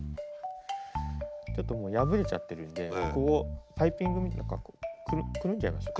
ちょっともう破れちゃってるんでここをパイピングみたいにくるんじゃいましょう。